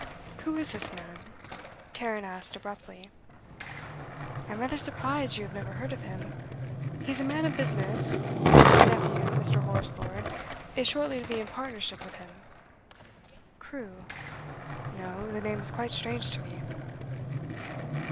'Who is this man?' Tarrant asked abruptly. 'I am rather surprised you have never heard of him. He's a man of business. My nephew, Mr. Horace Lord, is shortly to be in partnership with him.' 'Crewe? No, the name is quite strange to me.